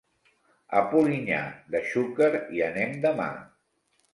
A Polinyà de Xúquer hi anem demà.